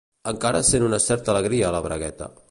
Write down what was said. Encara sent una certa alegria a la bragueta.